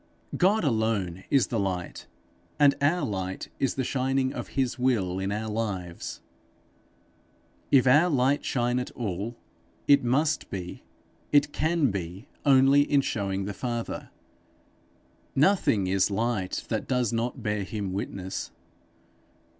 God alone is the light, and our light is the shining of his will in our lives. If our light shine at all, it must be, it can be only in showing the Father; nothing is light that does not bear him witness.